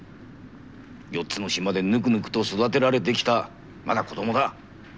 ４つの島でぬくぬくと育てられてきたまだ子供だ。